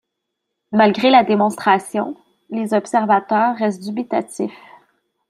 Malgré la démonstration, les observateurs restent dubitatifs.